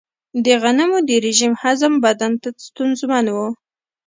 د غنمو د رژیم هضم بدن ته ستونزمن و.